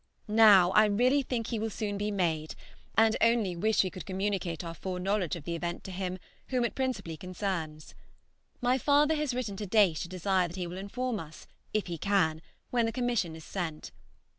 Now I really think he will soon be made, and only wish we could communicate our foreknowledge of the event to him whom it principally concerns. My father has written to Daysh to desire that he will inform us, if he can, when the commission is sent.